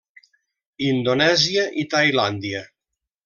Indonèsia i Tailàndia.